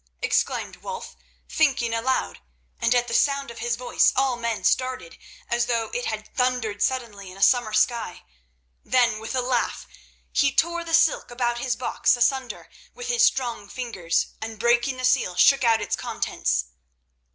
exclaimed Wulf, thinking aloud, and at the sound of his voice all men started, as though it had thundered suddenly in a summer sky. Then with a laugh he tore the silk about his box asunder with his strong fingers, and breaking the seal, shook out its contents.